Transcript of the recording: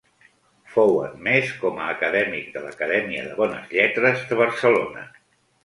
Fou admès com a acadèmic de l'Acadèmia de Bones Lletres de Barcelona.